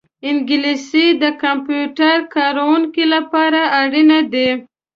انګلیسي د کمپیوټر کاروونکو لپاره اړینه ده